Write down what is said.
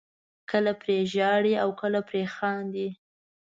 کله پرې ژاړئ او کله پرې خاندئ.